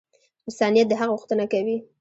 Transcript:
انسانیت د حق غوښتنه کوي.